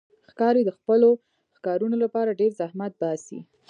ښکاري د خپلو ښکارونو لپاره ډېر زحمت باسي.